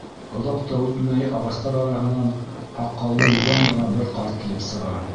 Оҙаҡ та үтмәй ағастар араһынан һаҡаллы йыуан ғына бер ҡарт килеп сыға.